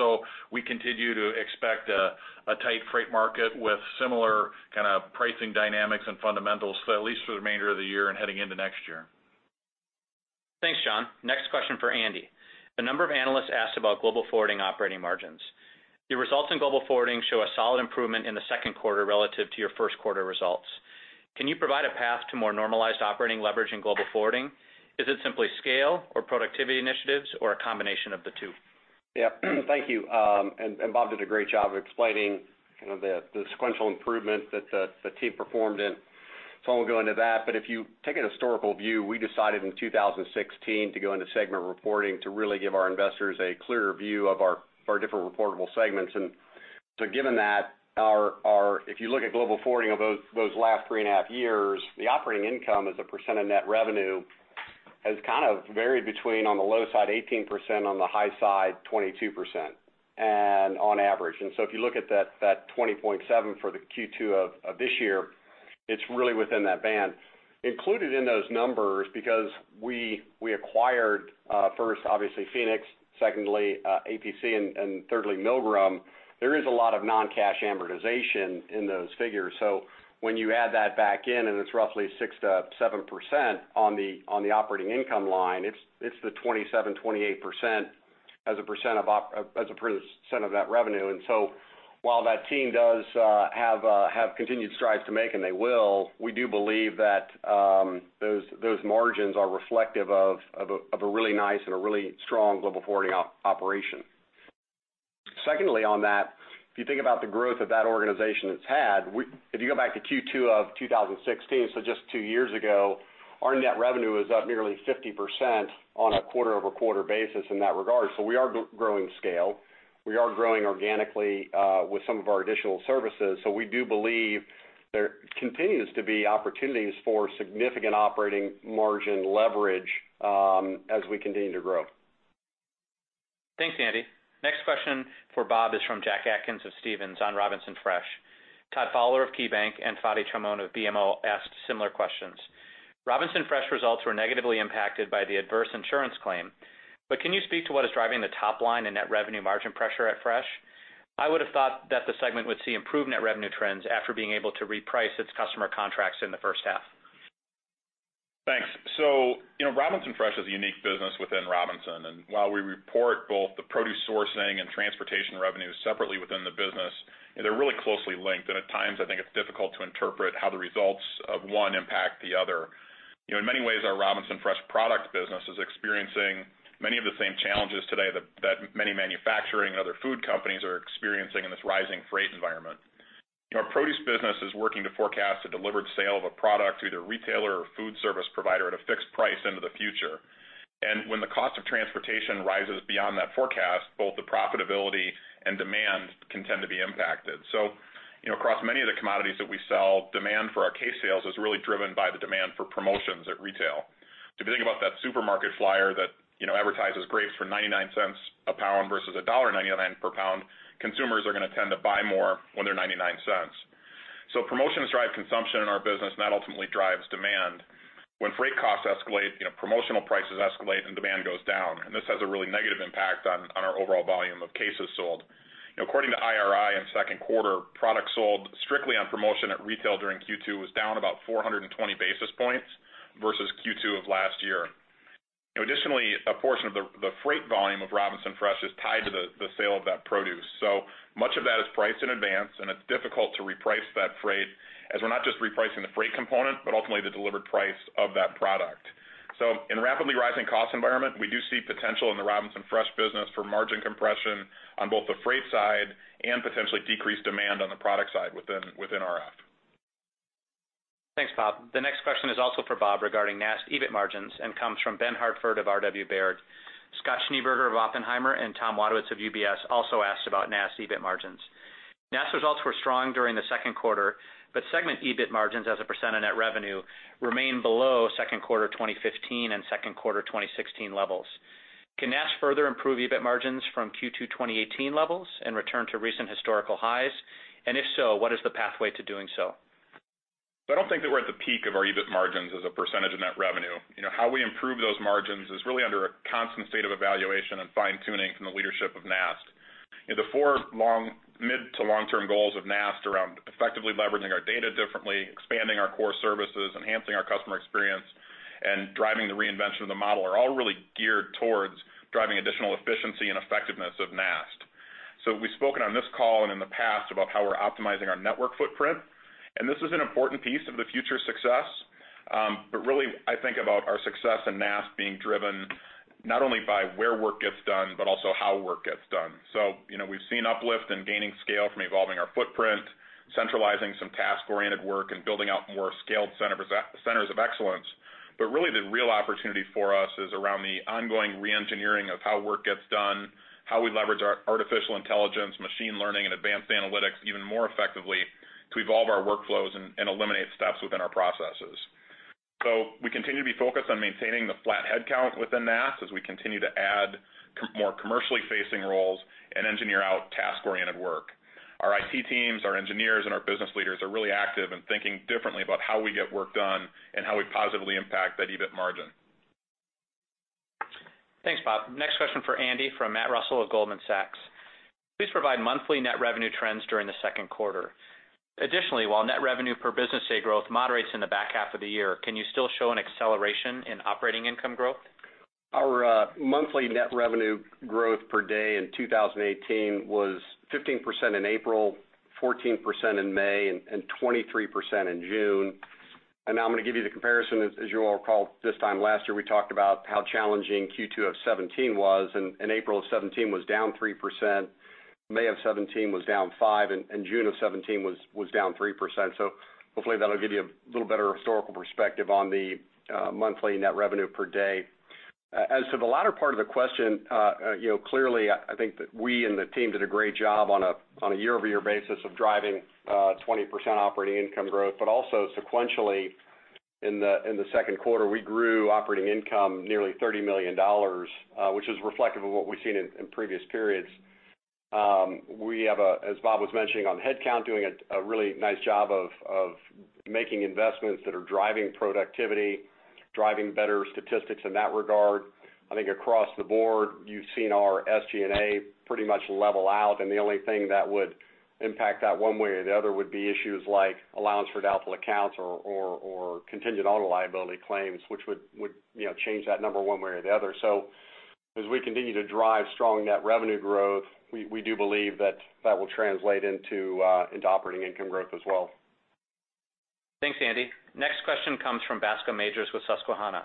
We continue to expect a tight freight market with similar kind of pricing dynamics and fundamentals, at least for the remainder of the year and heading into next year. Thanks, John. Next question for Andy. A number of analysts asked about Global Forwarding operating margins. Your results in Global Forwarding show a solid improvement in the second quarter relative to your first quarter results. Can you provide a path to more normalized operating leverage in Global Forwarding? Is it simply scale or productivity initiatives, or a combination of the two? Yeah. Thank you. Bob did a great job explaining the sequential improvement that the team performed in, I won't go into that. If you take a historical view, we decided in 2016 to go into segment reporting to really give our investors a clearer view of our different reportable segments. Given that, if you look at Global Forwarding of those last three and a half years, the operating income as a percent of net revenue has kind of varied between, on the low side, 18%, on the high side, 22%, and on average. If you look at that 20.7 for the Q2 of this year, it's really within that band. Included in those numbers, because we acquired first, obviously, Phoenix, secondly, APC, and thirdly, Milgram, there is a lot of non-cash amortization in those figures. When you add that back in and it's roughly 6%-7% on the operating income line, it's the 27%-28% as a percent of that revenue. While that team does have continued strides to make, and they will, we do believe that those margins are reflective of a really nice and a really strong global forwarding operation. Secondly, on that, if you think about the growth that that organization has had, if you go back to Q2 of 2016, just two years ago, our net revenue is up nearly 50% on a quarter-over-quarter basis in that regard. We are growing scale. We are growing organically with some of our additional services. We do believe there continues to be opportunities for significant operating margin leverage as we continue to grow. Thanks, Andy. Next question for Bob is from Jack Atkins of Stephens on Robinson Fresh. Todd Fowler of KeyBanc and Fadi Chamoun of BMO asked similar questions. Robinson Fresh results were negatively impacted by the adverse insurance claim. Can you speak to what is driving the top line and net revenue margin pressure at Fresh? I would have thought that the segment would see improved net revenue trends after being able to reprice its customer contracts in the first half. Thanks. Robinson Fresh is a unique business within Robinson, and while we report both the produce sourcing and transportation revenues separately within the business, they're really closely linked. At times, I think it's difficult to interpret how the results of one impact the other. In many ways, our Robinson Fresh product business is experiencing many of the same challenges today that many manufacturing and other food companies are experiencing in this rising freight environment. Our produce business is working to forecast a delivered sale of a product to either retailer or food service provider at a fixed price into the future. When the cost of transportation rises beyond that forecast, both the profitability and demand can tend to be impacted. Across many of the commodities that we sell, demand for our case sales is really driven by the demand for promotions at retail. If you think about that supermarket flyer that advertises grapes for $0.99 a pound versus $1.99 per pound, consumers are going to tend to buy more when they're $0.99. Promotions drive consumption in our business, and that ultimately drives demand. When freight costs escalate, promotional prices escalate, and demand goes down, and this has a really negative impact on our overall volume of cases sold. According to IRI in second quarter, products sold strictly on promotion at retail during Q2 was down about 420 basis points versus Q2 of last year. Additionally, a portion of the freight volume of Robinson Fresh is tied to the sale of that produce. Much of that is priced in advance, and it's difficult to reprice that freight, as we're not just repricing the freight component, but ultimately the delivered price of that product. In a rapidly rising cost environment, we do see potential in the Robinson Fresh business for margin compression on both the freight side and potentially decreased demand on the product side within RF. Thanks, Bob. The next question is also for Bob regarding NAST EBIT margins and comes from Ben Hartford of RW Baird. Scott Schneeberger of Oppenheimer and Tom Wadewitz of UBS also asked about NAST EBIT margins. NAST results were strong during the second quarter, but segment EBIT margins as a percent of net revenue remain below second quarter 2015 and second quarter 2016 levels. Can NAST further improve EBIT margins from Q2 2018 levels and return to recent historical highs? If so, what is the pathway to doing so? I don't think that we're at the peak of our EBIT margins as a percentage of net revenue. How we improve those margins is really under a constant state of evaluation and fine-tuning from the leadership of NAST. The four mid to long-term goals of NAST around effectively leveraging our data differently, expanding our core services, enhancing our customer experience, and driving the reinvention of the model are all really geared towards driving additional efficiency and effectiveness of NAST. We've spoken on this call and in the past about how we're optimizing our network footprint, and this is an important piece of the future success. Really, I think about our success in NAST being driven not only by where work gets done, but also how work gets done. We've seen uplift in gaining scale from evolving our footprint, centralizing some task-oriented work, and building out more scaled centers of excellence. Really, the real opportunity for us is around the ongoing re-engineering of how work gets done, how we leverage our artificial intelligence, machine learning, and advanced analytics even more effectively to evolve our workflows and eliminate steps within our processes. We continue to be focused on maintaining the flat headcount within NAST as we continue to add more commercially facing roles and engineer out task-oriented work. Our IT teams, our engineers, and our business leaders are really active in thinking differently about how we get work done and how we positively impact that EBIT margin. Thanks, Bob. Next question for Andy from Matthew Russell of Goldman Sachs. Please provide monthly net revenue trends during the second quarter. Additionally, while net revenue per business day growth moderates in the back half of the year, can you still show an acceleration in operating income growth? Our monthly net revenue growth per day in 2018 was 15% in April, 14% in May and 23% in June. Now I'm going to give you the comparison, as you all recall, this time last year, we talked about how challenging Q2 of 2017 was. And April of 2017 was down 3%, May of 2017 was down 5%, and June of 2017 was down 3%. Hopefully, that'll give you a little better historical perspective on the monthly net revenue per day. As to the latter part of the question, you know, clearly, I think that we and the team did a great job on a year-over-year basis of driving 20% operating income growth, but also sequentially, in the second quarter, we grew operating income nearly $30 million, which is reflective of what we've seen in previous periods. We have, as Bob was mentioning on headcount, doing a really nice job of making investments that are driving productivity, driving better statistics in that regard. I think across the board, you've seen our SG&A pretty much level out, and the only thing that would impact that one way or the other would be issues like allowance for doubtful accounts or contingent auto liability claims, which would, you know, change that number one way or the other. As we continue to drive strong net revenue growth, we do believe that that will translate into operating income growth as well. Thanks, Andy. Next question comes from Bascome Majors with Susquehanna.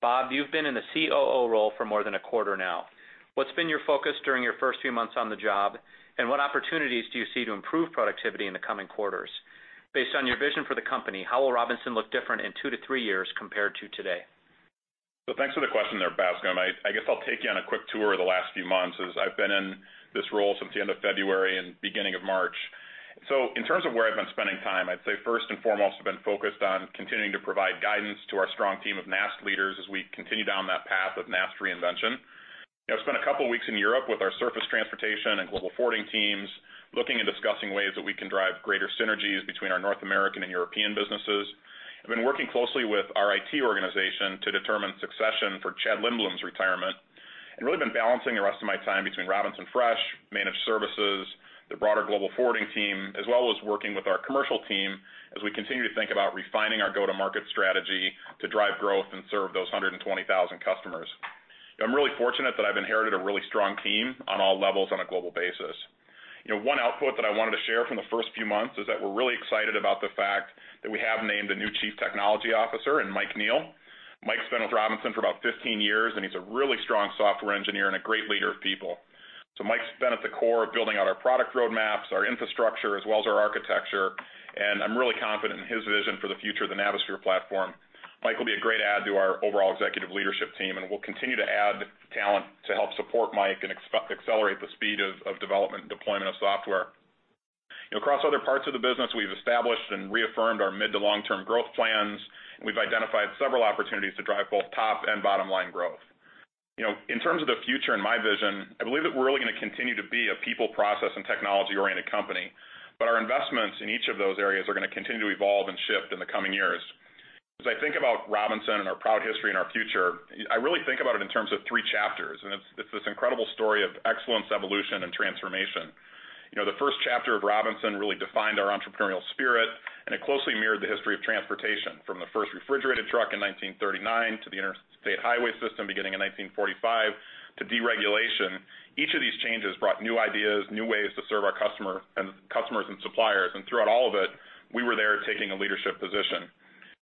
Bob, you've been in the COO role for more than a quarter now. What's been your focus during your first few months on the job, and what opportunities do you see to improve productivity in the coming quarters? Based on your vision for the company, how will Robinson look different in two to three years compared to today? Thanks for the question there, Bascome. I guess I'll take you on a quick tour of the last few months as I've been in this role since the end of February and beginning of March. In terms of where I've been spending time, I'd say first and foremost, I've been focused on continuing to provide guidance to our strong team of NAST leaders as we continue down that path of NAST reinvention. You know, I've spent a couple weeks in Europe with our surface transportation and global forwarding teams, looking and discussing ways that we can drive greater synergies between our North American and European businesses. I've been working closely with our IT organization to determine succession for Chad Lindblom's retirement, and really been balancing the rest of my time between Robinson Fresh, managed services, the broader global forwarding team, as well as working with our commercial team as we continue to think about refining our go-to-market strategy to drive growth and serve those 120,000 customers. I'm really fortunate that I've inherited a really strong team on all levels on a global basis. You know, one output that I wanted to share from the first few months is that we're really excited about the fact that we have named a new Chief Technology Officer in Mike Neill. Mike's been with Robinson for about 15 years, and he's a really strong software engineer and a great leader of people. Mike's been at the core of building out our product roadmaps, our infrastructure, as well as our architecture, and I'm really confident in his vision for the future of the Navisphere platform. Mike will be a great add to our overall executive leadership team, and we'll continue to add talent to help support Mike and expect to accelerate the speed of development and deployment of software. You know, across other parts of the business, we've established and reaffirmed our mid to long-term growth plans. We've identified several opportunities to drive both top and bottom-line growth. You know, in terms of the future and my vision, I believe that we're really going to continue to be a people, process, and technology-oriented company, but our investments in each of those areas are going to continue to evolve and shift in the coming years. As I think about Robinson and our proud history and our future, I really think about it in terms of three chapters, and it's this incredible story of excellence, evolution, and transformation. You know, the first chapter of Robinson really defined our entrepreneurial spirit, and it closely mirrored the history of transportation from the first refrigerated truck in 1939 to the Interstate Highway System beginning in 1945 to deregulation. Each of these changes brought new ideas, new ways to serve our customer and customers and suppliers. Throughout all of it, we were there taking a leadership position.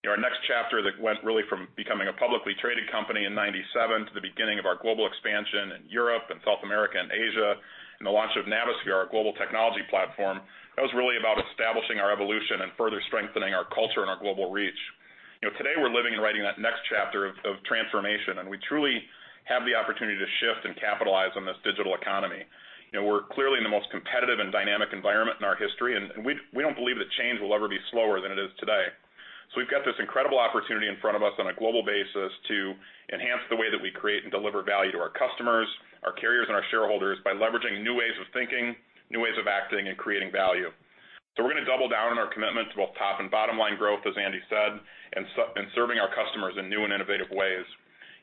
You know, our next chapter that went really from becoming a publicly traded company in 1997 to the beginning of our global expansion in Europe and South America and Asia, and the launch of Navisphere, our global technology platform, that was really about establishing our evolution and further strengthening our culture and our global reach. You know, today we're living and writing that next chapter of transformation, and we truly have the opportunity to shift and capitalize on this digital economy. You know, we're clearly in the most competitive and dynamic environment in our history, and we don't believe that change will ever be slower than it is today. We've got this incredible opportunity in front of us on a global basis to enhance the way that we create and deliver value to our customers, our carriers, and our shareholders by leveraging new ways of thinking, new ways of acting and creating value. We're going to double down on our commitment to both top and bottom-line growth, as Andy said, and serving our customers in new and innovative ways.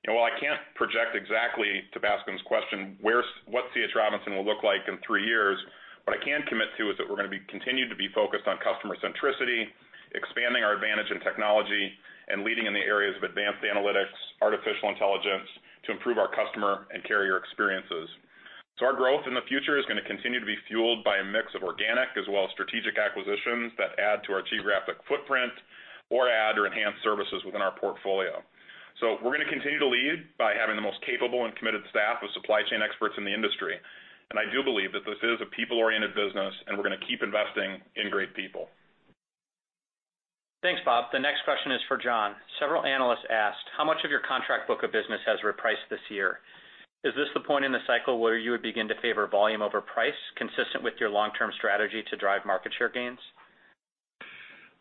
You know, while I can't project exactly to Bascome's question, what C. H. Robinson will look like in three years, what I can commit to is that we're going to be continued to be focused on customer centricity, expanding our advantage in technology, and leading in the areas of advanced analytics, artificial intelligence to improve our customer and carrier experiences. Our growth in the future is going to continue to be fueled by a mix of organic as well as strategic acquisitions that add to our geographic footprint or add or enhance services within our portfolio. We're going to continue to lead by having the most capable and committed staff of supply chain experts in the industry. I do believe that this is a people-oriented business, and we're going to keep investing in great people. Thanks, Bob. The next question is for John. Several analysts asked, how much of your contract book of business has repriced this year? Is this the point in the cycle where you would begin to favor volume over price, consistent with your long-term strategy to drive market share gains?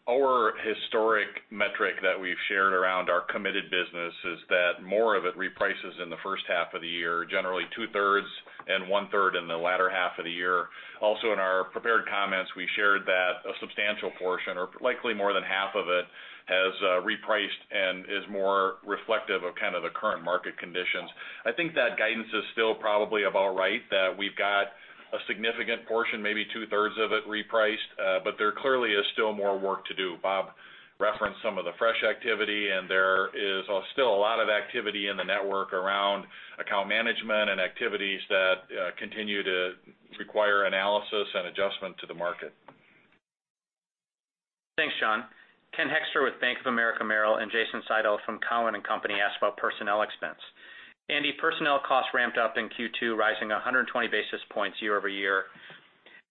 Our historic metric that we've shared around our committed business is that more of it reprices in the first half of the year, generally two-thirds and one-third in the latter half of the year. In our prepared comments, we shared that a substantial portion, or likely more than half of it, has repriced and is more reflective of kind of the current market conditions. I think that guidance is still probably about right, that we've got a significant portion, maybe two-thirds of it repriced, but there clearly is still more work to do. Bob referenced some of the fresh activity, and there is still a lot of activity in the network around account management and activities that continue to require analysis and adjustment to the market. Thanks, John. Ken Hoexter with Bank of America Merrill and Jason Seidl from Cowen and Company asked about personnel expense. Andy, personnel costs ramped up in Q2, rising 120 basis points year-over-year.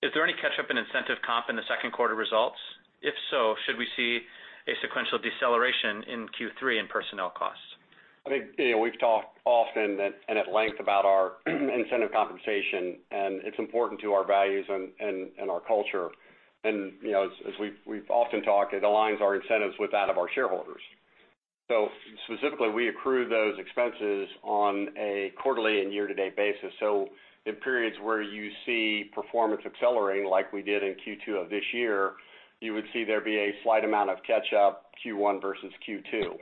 Is there any catch-up in incentive comp in the second quarter results? If so, should we see a sequential deceleration in Q3 in personnel costs? I think we've talked often and at length about our incentive compensation. It's important to our values and our culture. As we've often talked, it aligns our incentives with that of our shareholders. Specifically, we accrue those expenses on a quarterly and year-to-date basis. In periods where you see performance accelerating, like we did in Q2 of this year, you would see there be a slight amount of catch-up Q1 versus Q2.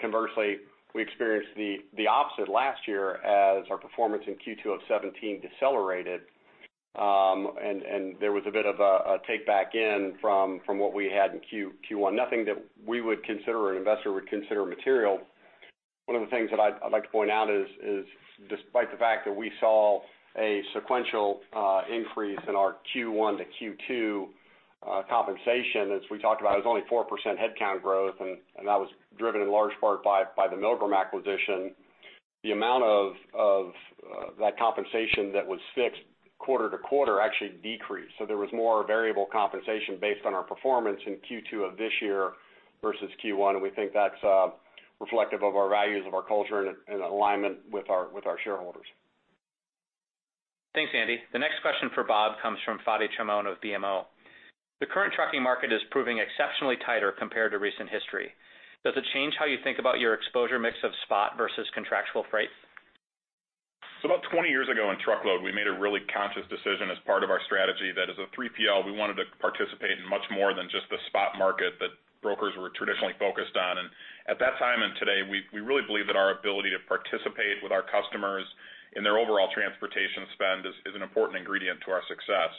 Conversely, we experienced the opposite last year as our performance in Q2 of 2017 decelerated, and there was a bit of a take back in from what we had in Q1. Nothing that we would consider, an investor would consider material. One of the things that I'd like to point out is despite the fact that we saw a sequential increase in our Q1 to Q2 compensation, as we talked about, it was only 4% headcount growth, and that was driven in large part by the Milgram acquisition. The amount of that compensation that was fixed quarter-to-quarter actually decreased. There was more variable compensation based on our performance in Q2 of this year versus Q1, and we think that's reflective of our values, of our culture, and in alignment with our shareholders. Thanks, Andy. The next question for Bob comes from Fadi Chamoun of BMO. The current trucking market is proving exceptionally tighter compared to recent history. Does it change how you think about your exposure mix of spot versus contractual freight? About 20 years ago in truckload, we made a really conscious decision as part of our strategy that as a 3PL, we wanted to participate in much more than just the spot market that brokers were traditionally focused on. At that time and today, we really believe that our ability to participate with our customers in their overall transportation spend is an important ingredient to our success.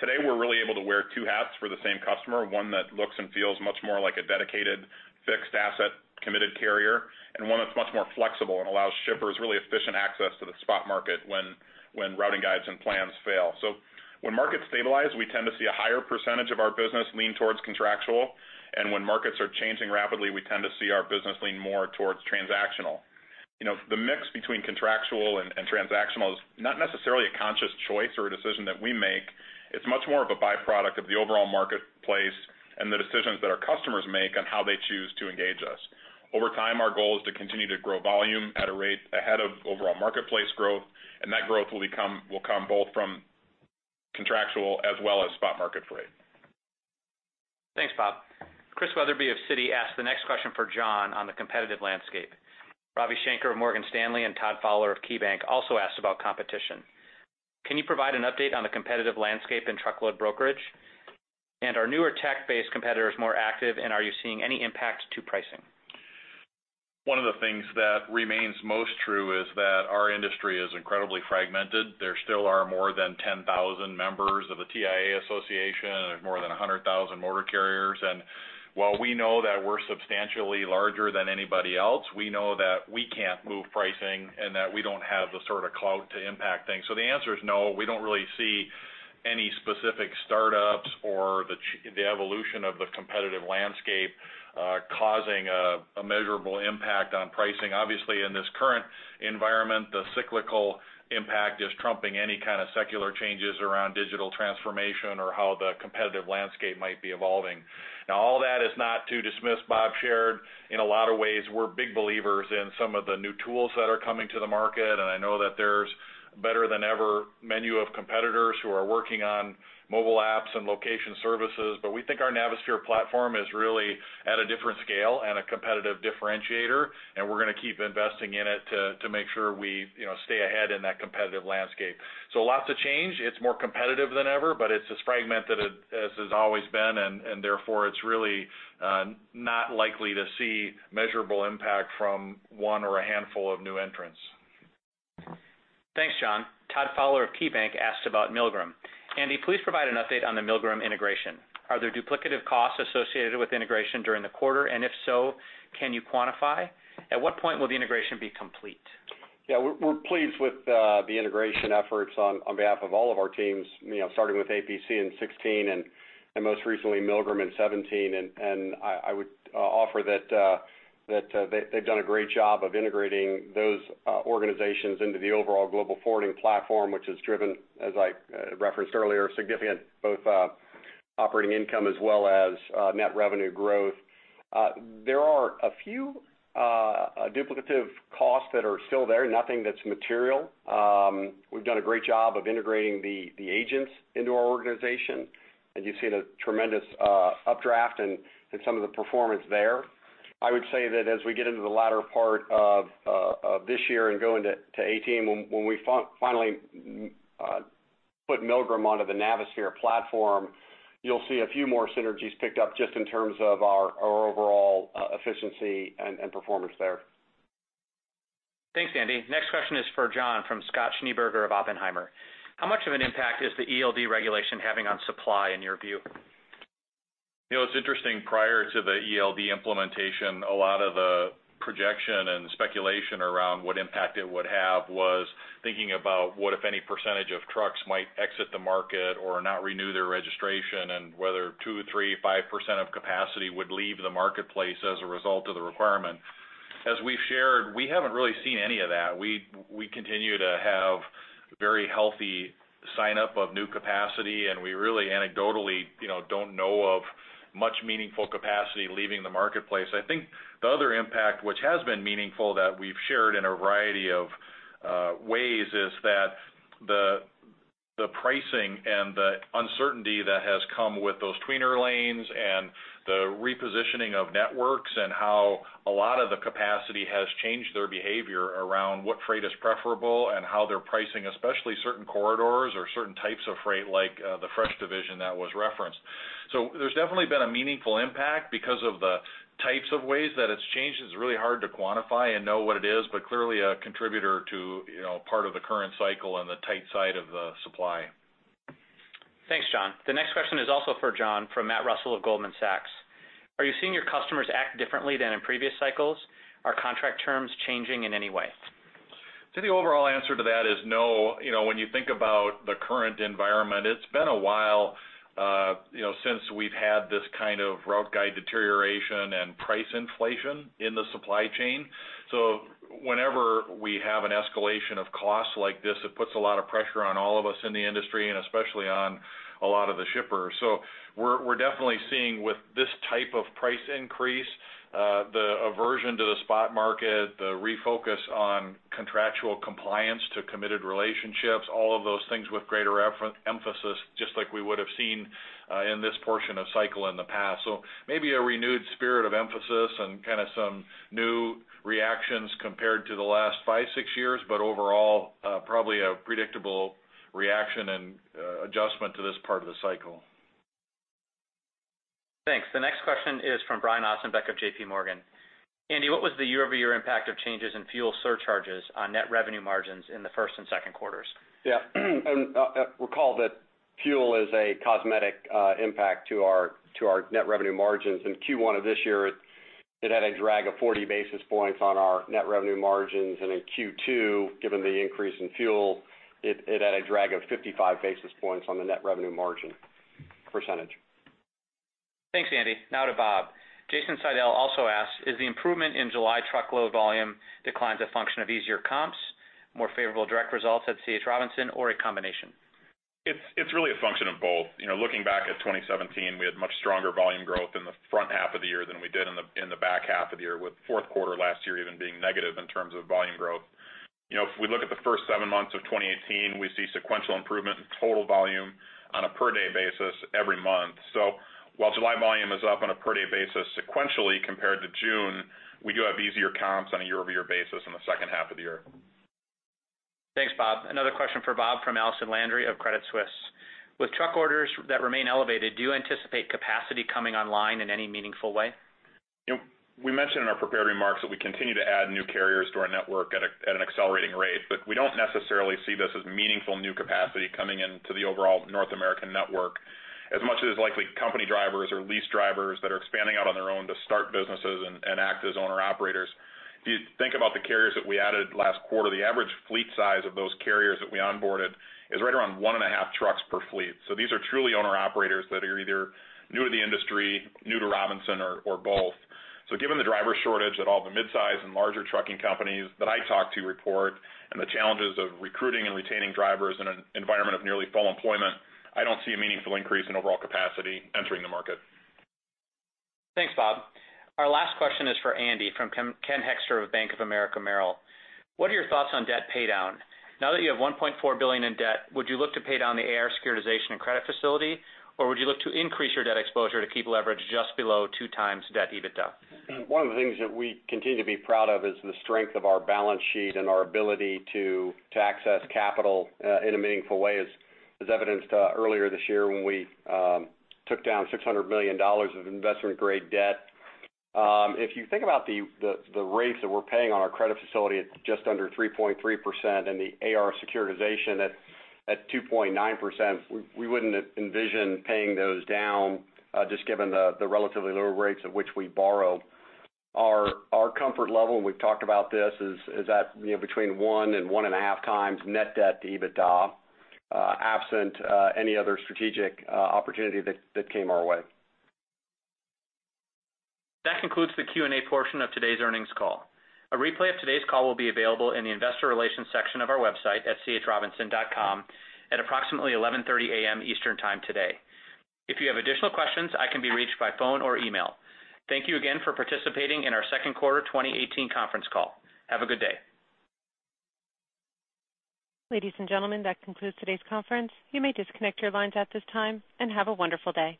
Today, we're really able to wear two hats for the same customer, one that looks and feels much more like a dedicated, fixed asset, committed carrier, and one that's much more flexible and allows shippers really efficient access to the spot market when routing guides and plans fail. When markets stabilize, we tend to see a higher percentage of our business lean towards contractual, and when markets are changing rapidly, we tend to see our business lean more towards transactional. The mix between contractual and transactional is not necessarily a conscious choice or a decision that we make. It's much more of a byproduct of the overall marketplace and the decisions that our customers make on how they choose to engage us. Over time, our goal is to continue to grow volume at a rate ahead of overall marketplace growth, and that growth will come both from contractual as well as spot market freight. Thanks, Bob. Christian Wetherbee of Citi asked the next question for John on the competitive landscape. Ravi Shanker of Morgan Stanley and Todd Fowler of KeyBanc also asked about competition. Can you provide an update on the competitive landscape in truckload brokerage? Are newer tech-based competitors more active, and are you seeing any impact to pricing? One of the things that remains most true is that our industry is incredibly fragmented. There still are more than 10,000 members of the TIA association and more than 100,000 motor carriers. While we know that we're substantially larger than anybody else, we know that we can't move pricing and that we don't have the sort of clout to impact things. The answer is no, we don't really see any specific startups or the evolution of the competitive landscape causing a measurable impact on pricing. Obviously, in this current environment, the cyclical impact is trumping any kind of secular changes around digital transformation or how the competitive landscape might be evolving. All that is not to dismiss Bob shared. In a lot of ways, we're big believers in some of the new tools that are coming to the market, and I know that there's better than ever menu of competitors who are working on mobile apps and location services. We think our Navisphere platform is really at a different scale and a competitive differentiator, and we're going to keep investing in it to make sure we stay ahead in that competitive landscape. Lots of change. It's more competitive than ever, but it's as fragmented as it's always been, and therefore it's really not likely to see measurable impact from one or a handful of new entrants. Thanks, John. Todd Fowler of KeyBanc asked about Milgram. Andy, please provide an update on the Milgram integration. Are there duplicative costs associated with integration during the quarter? If so, can you quantify? At what point will the integration be complete? Yeah, we're pleased with the integration efforts on behalf of all of our teams starting with APC in 2016, and most recently Milgram in 2017. I would offer that they've done a great job of integrating those organizations into the overall global forwarding platform, which has driven, as I referenced earlier, significant both operating income as well as net revenue growth. There are a few duplicative costs that are still there, nothing that's material. We've done a great job of integrating the agents into our organization, and you've seen a tremendous updraft in some of the performance there. I would say that as we get into the latter part of this year and go into 2018, when we finally put Milgram onto the Navisphere platform, you'll see a few more synergies picked up just in terms of our overall efficiency and performance there. Thanks, Andy. Next question is for John from Scott Schneeberger of Oppenheimer. How much of an impact is the ELD regulation having on supply in your view? It's interesting, prior to the ELD implementation, a lot of the projection and speculation around what impact it would have was thinking about what, if any, percentage of trucks might exit the market or not renew their registration, and whether 2%, 3%, 5% of capacity would leave the marketplace as a result of the requirement. As we've shared, we haven't really seen any of that. We continue to have very healthy sign-up of new capacity, and we really anecdotally don't know of much meaningful capacity leaving the marketplace. I think the other impact, which has been meaningful, that we've shared in a variety of ways, is that the pricing and the uncertainty that has come with those tweener lanes and the repositioning of networks, and how a lot of the capacity has changed their behavior around what freight is preferable and how they're pricing, especially certain corridors or certain types of freight, like the fresh division that was referenced. There's definitely been a meaningful impact because of the types of ways that it's changed. It's really hard to quantify and know what it is, but clearly a contributor to part of the current cycle on the tight side of the supply. Thanks, John. The next question is also for John from Matthew Russell of Goldman Sachs. Are you seeing your customers act differently than in previous cycles? Are contract terms changing in any way? The overall answer to that is no. When you think about the current environment, it has been a while since we have had this kind of route guide deterioration and price inflation in the supply chain. Whenever we have an escalation of costs like this, it puts a lot of pressure on all of us in the industry, and especially on a lot of the shippers. We are definitely seeing with this type of price increase, the aversion to the spot market, the refocus on contractual compliance to committed relationships, all of those things with greater emphasis, just like we would have seen in this portion of cycle in the past. Maybe a renewed spirit of emphasis and kind of some new reactions compared to the last five, six years. Overall, probably a predictable reaction and adjustment to this part of the cycle. Thanks. The next question is from Brian Ossenbeck of J.P. Morgan. Andy, what was the year-over-year impact of changes in fuel surcharges on net revenue margins in the first and second quarters? Recall that fuel is a cosmetic impact to our net revenue margins. In Q1 of this year, it had a drag of 40 basis points on our net revenue margins. In Q2, given the increase in fuel, it had a drag of 55 basis points on the net revenue margin percentage. Thanks, Andy. Now to Bob. Jason Seidl also asks, "Is the improvement in July truckload volume declines a function of easier comps, more favorable direct results at C.H. Robinson, or a combination? It's really a function of both. Looking back at 2017, we had much stronger volume growth in the front half of the year than we did in the back half of the year, with fourth quarter last year even being negative in terms of volume growth. If we look at the first seven months of 2018, we see sequential improvement in total volume on a per-day basis every month. While July volume is up on a per-day basis sequentially compared to June, we do have easier comps on a year-over-year basis in the second half of the year. Thanks, Bob. Another question for Bob from Allison Landry of Credit Suisse. With truck orders that remain elevated, do you anticipate capacity coming online in any meaningful way? We mentioned in our prepared remarks that we continue to add new carriers to our network at an accelerating rate. We don't necessarily see this as meaningful new capacity coming into the overall North American network, as much as likely company drivers or lease drivers that are expanding out on their own to start businesses and act as owner-operators. If you think about the carriers that we added last quarter, the average fleet size of those carriers that we onboarded is right around one and a half trucks per fleet. These are truly owner-operators that are either new to the industry, new to Robinson, or both. Given the driver shortage that all the midsize and larger trucking companies that I talk to report, and the challenges of recruiting and retaining drivers in an environment of nearly full employment, I don't see a meaningful increase in overall capacity entering the market. Thanks, Bob. Our last question is for Andy from Ken Hoexter of Bank of America Merrill Lynch. What are your thoughts on debt paydown? Now that you have $1.4 billion in debt, would you look to pay down the AR securitization and credit facility, or would you look to increase your debt exposure to keep leverage just below two times debt EBITDA? One of the things that we continue to be proud of is the strength of our balance sheet and our ability to access capital in a meaningful way, as evidenced earlier this year when we took down $600 million of investment-grade debt. If you think about the rates that we're paying on our credit facility at just under 3.3% and the AR securitization at 2.9%, we wouldn't envision paying those down just given the relatively lower rates at which we borrowed. Our comfort level, and we've talked about this, is at between one and one and a half times net debt to EBITDA, absent any other strategic opportunity that came our way. That concludes the Q&A portion of today's earnings call. A replay of today's call will be available in the investor relations section of our website at chrobinson.com at approximately 11:30 A.M. Eastern Time today. If you have additional questions, I can be reached by phone or email. Thank you again for participating in our second quarter 2018 conference call. Have a good day. Ladies and gentlemen, that concludes today's conference. You may disconnect your lines at this time. Have a wonderful day.